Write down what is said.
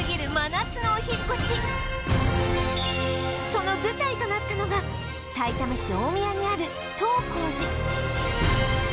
その舞台となったのがさいたま市大宮にある東光寺